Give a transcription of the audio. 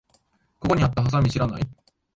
ここにあったハサミ知らない？